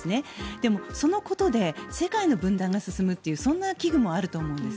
でも、そのことで世界の分断が進むというそんな危惧もあると思うんです。